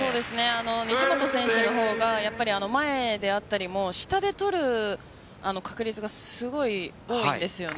西本選手の方が前であったり下で取る確率がすごい多いんですよ。